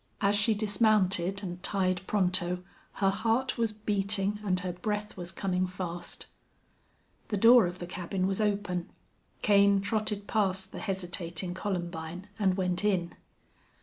As she dismounted and tied Pronto her heart was beating and her breath was coming fast. The door of the cabin was open. Kane trotted past the hesitating Columbine and went in.